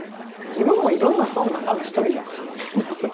自分もいろんな人の中の一人だし。